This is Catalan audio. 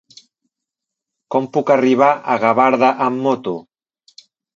Com puc arribar a Gavarda amb moto?